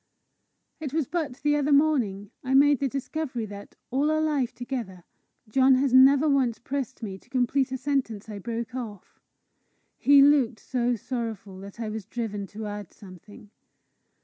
It was but the other morning I made the discovery that, all our life together, John has never once pressed me to complete a sentence I broke off. He looked so sorrowful that I was driven to add something.